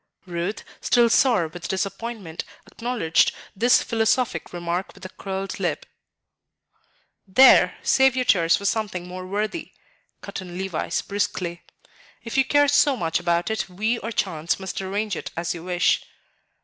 Ruth, still sore with disappointment, acknowledged this philosophic remark with a curled lip. "There, save your tears for something more worthy," cut in Levice, briskly; "if you care so much about it, we or chance must arrange it as you wish."